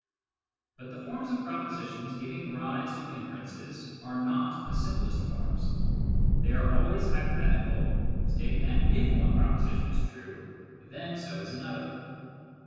But the forms of propositions giving rise to inferences are not the simplest forms : they are always hypothetical, stating that if one proposition is true, then so is another.